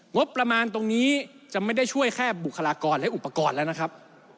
งบประมาณตรงนี้จะไม่ได้ช่วยแค่บุคลากรและอุปกรณ์แล้วนะครับ